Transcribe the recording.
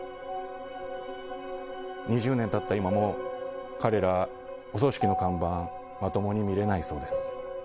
２０年経った今も彼らは、お葬式の看板まともに見れないそうです。